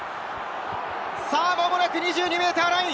まもなく２２ｍライン。